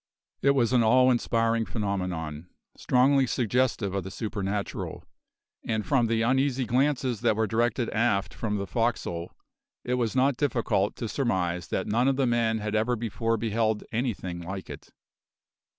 It was an awe inspiring phenomenon, strongly suggestive of the supernatural, and from the uneasy glances that were directed aft from the forecastle it was not difficult to surmise that none of the men had ever before beheld anything like it.